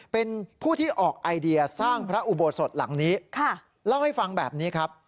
เป็นผู้ที่ออกไอเดียสร้างพระอุโบสถหลังนี้เล่าให้ฟังแบบนี้ครับ